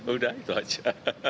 udah itu aja